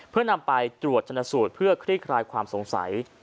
เพื่อนำไปตรวจชนสูตรเพื่อคลี่คลายความสงสัย